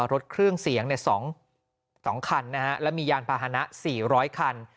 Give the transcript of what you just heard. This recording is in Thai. รถเครื่องเสียง๒คันและมียานพาหนะ๔๐๐คัน